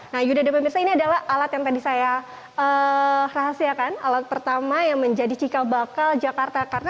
nah yuda dan pemirsa ini adalah alat yang tadi saya rahasiakan alat pertama yang menjadi cikal bakal jakarta